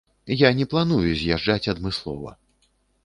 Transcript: Я не планую з'язджаць адмыслова.